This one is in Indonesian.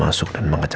aku pun tidak peduli